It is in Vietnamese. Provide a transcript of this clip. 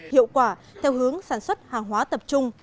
hiệu quả theo hướng sản xuất hàng hóa tập trung